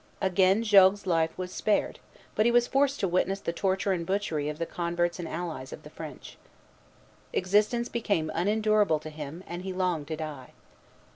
Again Jogues's life was spared; but he was forced to witness the torture and butchery of the converts and allies of the French. Existence became unendurable to him, and he longed to die.